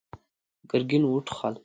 ګرګين وټوخل.